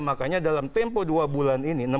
makanya dalam tempo dua bulan ini